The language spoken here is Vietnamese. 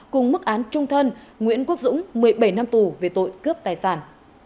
cùng mức án trung thân nguyễn quốc dũng một mươi bảy năm tù về tội cướp tài sản